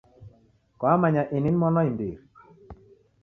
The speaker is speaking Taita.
Kwamanya ini ni mwana wa imbiri.